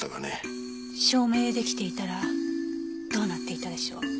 証明出来ていたらどうなっていたでしょう？